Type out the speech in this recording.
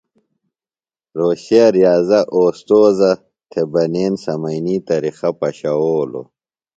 روھوشے ریاضہ اوستوذہ تھےۡ بنین سمئینی طریقہ پشَوؤلوۡ۔